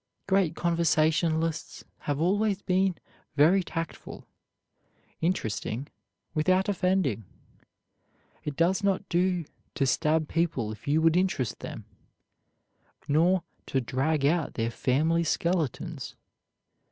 Great conversationalists have always been very tactful interesting without offending. It does not do to stab people if you would interest them, nor to drag out their family skeletons.